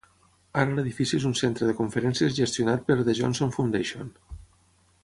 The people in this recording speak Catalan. Ara l'edifici és un centre de conferències gestionat per The Johnson Foundation.